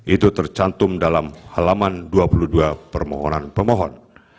itu tercantum dalam halaman dua puluh dua permohonan pemohon